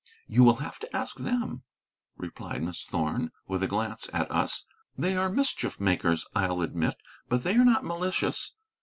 "You will have to ask them," replied Miss Thorn, with a glance at us. "They are mischief makers, I'll admit; but they are not malicious.